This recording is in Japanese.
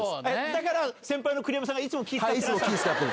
だから先輩の栗山さんがいつも気使ってらした。